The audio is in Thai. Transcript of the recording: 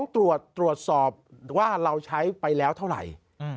ตรวจสอบว่าเราใช้ไปแล้วเท่าไหร่